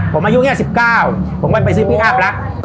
ผมอายุแค่๑๙ผมก็ไปซื้อพี่อัพแล้ว